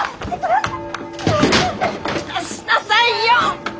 渡しなさいよ！